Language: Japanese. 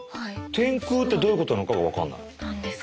天空ってどういうことなのかが分かんない。